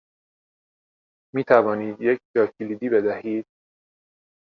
می توانید یک جاکلیدی بدهید؟